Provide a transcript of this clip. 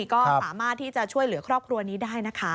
ก็สามารถที่จะช่วยเหลือครอบครัวนี้ได้นะคะ